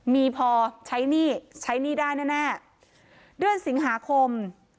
มีพอใช้หนี้ใช้หนี้ได้แน่แน่เดือนสิงหาคม